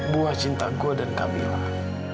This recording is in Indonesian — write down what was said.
buah cinta gue dan camillah